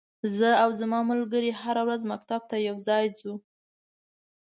زه او ځما ملګری هره ورځ مکتب ته یوځای زو.